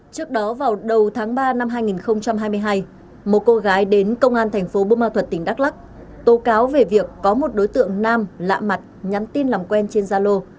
trước đó vào đầu tháng ba năm hai nghìn hai mươi hai một cô gái đến công an thành phố bô ma thuật tỉnh đắk lắc tố cáo về việc có một đối tượng nam lạ mặt nhắn tin làm quen trên gia lô